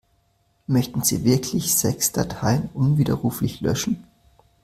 Möchten Sie wirklich sechs Dateien unwiderruflich löschen?